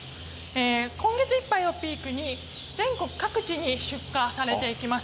今月いっぱいをピークに全国各地に出荷されていきます